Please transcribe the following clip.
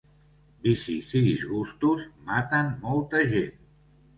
Vicis i disgustos maten molta gent.